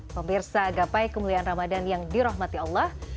pemirsa agapai kemuliaan ramadhan yang dirahmati allah